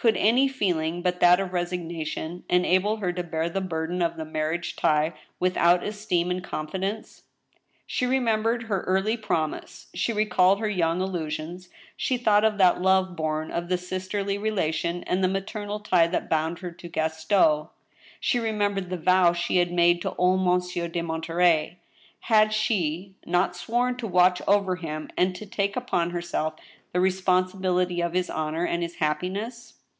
Could any feeling but that of resignation enable her to bear the burden of the mar^ riage tie without esteem and confidence ? She remembered her early promise, she recalled her young illu sions, she thought of that love bom of the sisterly relation, and the maternal tie that bound her to Gaston. She remembered the vow she had made to old Monsieur de Monterey. Had she not sworn to watch over him, and to take upon herself the responsibility of his honor and his happiness